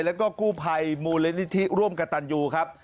เพราะกู้ภัยมูลลินิธิร่วมกับตันยูครับ